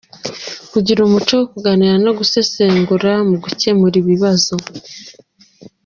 • Kugira umuco wo kuganira no gusesengura mu gukemura ibibazo.